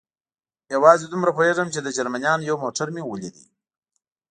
یوازې دومره پوهېږم، چې د جرمنیانو یو موټر مې ولید.